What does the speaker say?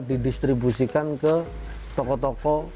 didistribusikan ke toko toko